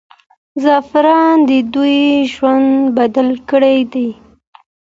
زعفران د دوی ژوند بدل کړی دی.